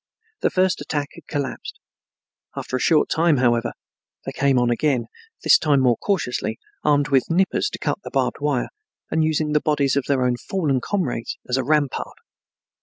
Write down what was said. The first attack had collapsed. After a short time, however, they came on again, this time more cautiously, armed with nippers to cut the barbed wire and using the bodies of their own fallen comrades as a rampart.